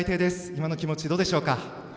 今の気持ち、どうでしょうか？